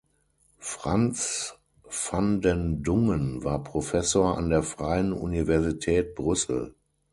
Frans van den Dungen war Professor an der Freien Universität Brüssel.